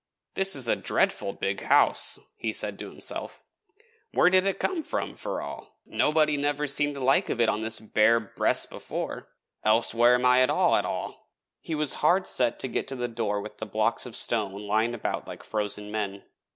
This is a dreadful big house,' he said to himself; 'where did it come from, for all? Nobody never seen the like of it on this bare breas' before else where am I at all, at all?' He was hard set to get to the door with the blocks of stone lying about like frozen men.